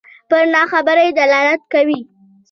پر ناخبرۍ دلالت کوي.